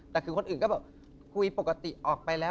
แต่คือคนอื่นก็แบบคุยปกติออกไปแล้ว